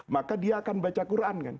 maka dia akan baca quran kan